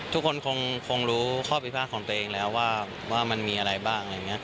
ทุกคนคงรู้ข้อพิพากษ์ของตัวเองแล้วว่ามันมีอะไรบ้าง